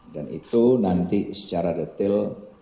dan itu nanti secara detail